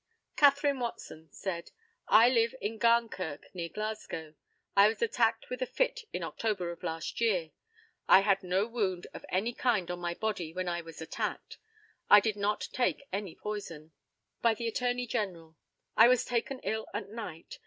CATHERINE WATSON said: I live at Garnkirk, near Glasgow. I was attacked with a fit in October of last year. I had no wound of any kind on my body when I was attacked. I did not take any poison. By the ATTORNEY GENERAL: I was taken ill at night.